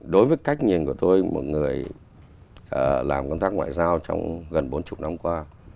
đối với cách nhìn của tôi một người làm công tác ngoại giao trong gần bốn mươi năm qua